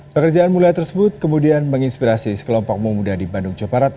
pekerjaan mulia tersebut kemudian menginspirasi sekelompok memuda di bandung coparat